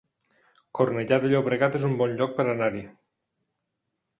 Cornellà de Llobregat es un bon lloc per anar-hi